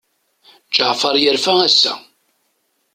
Ǧeɛfer yerfa ass-a.